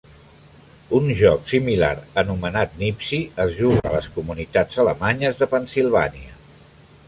Un joc similar anomenat Nipsi es juga a les comunitats alemanyes de Pennsilvània.